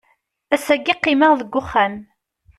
Ass-agi qqimeɣ deg uxxam.